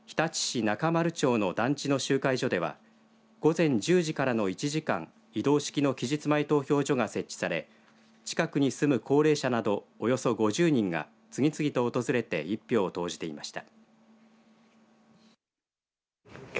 このうち日立市中丸町の団地の集会所では午前１０時からの１時間移動式の期日前投票所が設置され近くに住む高齢者などおよそ５０人が次々と訪れて１票を投じていました。